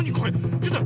ちょっと。